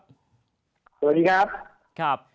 สวัสดีครับ